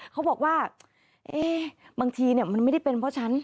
เขาบอกว่าบางทีมันไม่ได้เป็นเพราะฉัน